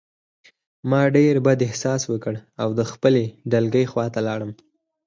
ما ډېر بد احساس وکړ او د خپلې ډلګۍ خواته لاړم